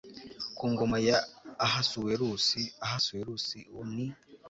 ku ngoma ya ahasuwerusi ahasuwerusi uwo ni